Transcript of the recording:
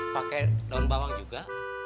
pake daun bawang juga